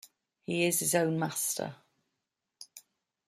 He is his own master.